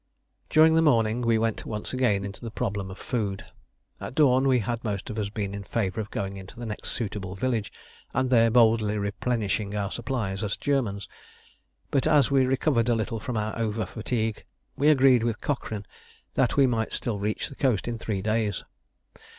During the morning we went once again into the problem of food. At dawn we had most of us been in favour of going into the next suitable village, and there boldly replenishing our supplies as Germans; but as we recovered a little from our over fatigue, we agreed with Cochrane that we might still reach the coast in three days.